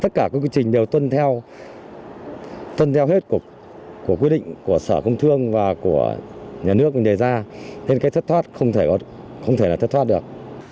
tất cả các quy trình đều tuân theo phân theo hết của quy định của sở công thương và của nhà nước đề ra nên cái thất thoát không thể là thất thoát được